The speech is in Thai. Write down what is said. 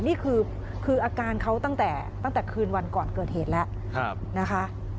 นี่คืออาการเขาตั้งแต่คืนวันก่อนเกิดเหตุแล้วนะคะ